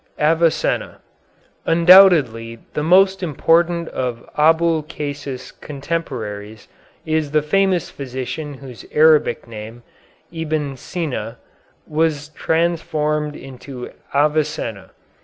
AVICENNA Undoubtedly the most important of Abulcasis' contemporaries is the famous physician whose Arabic name, Ibn Sina, was transformed into Avicenna.